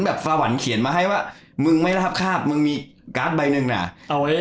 ฟาหวันเขียนมาให้ว่ามึงไม่รับคาบมึงมีการ์ดใบหนึ่งน่ะโอ้ย